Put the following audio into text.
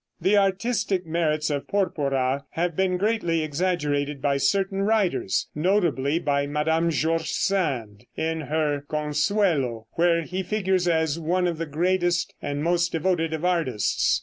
The artistic merits of Porpora have been greatly exaggerated by certain writers, notably by Mme. George Sand in her "Consuelo," where he figures as one of the greatest and most devoted of artists.